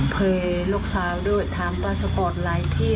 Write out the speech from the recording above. เผยลูกสาวด้วยถามป้าสะกดหลายที่อ่ะ